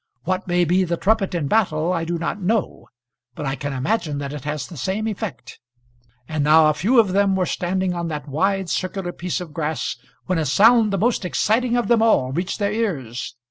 What may be the trumpet in battle I do not know, but I can imagine that it has the same effect. And now a few of them were standing on that wide circular piece of grass, when a sound the most exciting of them all reached their ears.